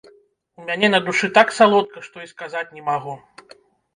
У мяне на душы так салодка, што і сказаць не магу.